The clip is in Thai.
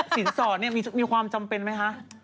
สินสอดมีความจำเป็นไหมคะ